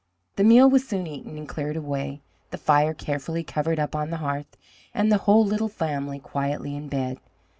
The meal was soon eaten and cleared away, the fire carefully covered up on the hearth, and the whole little family quietly in bed.